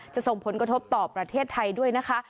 ส่งผลกระทบต่อประเทศไทยด้วยนะคะ